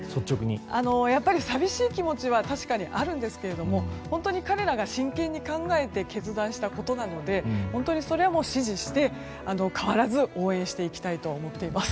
やっぱり寂しい気持ちはあるんですでも彼らが真剣に考えて決断したことなのでそれは支持して、変わらず応援していきたいと思います。